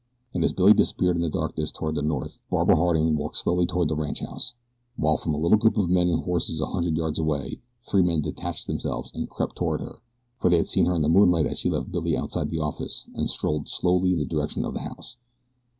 And as Billy disappeared in the darkness toward the north Barbara Harding walked slowly toward the ranchhouse, while from a little group of men and horses a hundred yards away three men detached themselves and crept toward her, for they had seen her in the moonlight as she left Billy outside the office and strolled slowly in the direction of the house.